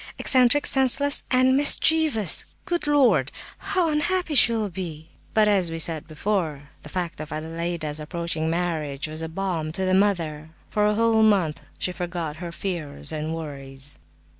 Eccentric, senseless and mischievous! Good Lord, how unhappy she will be!" But as we said before, the fact of Adelaida's approaching marriage was balm to the mother. For a whole month she forgot her fears and worries.